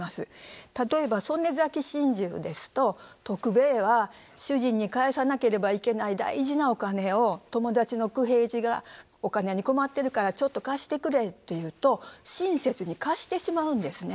例えば「曽根崎心中」ですと徳兵衛は主人に返さなければいけない大事なお金を友達の九平次が「お金に困ってるからちょっと貸してくれ」と言うと親切に貸してしまうんですね。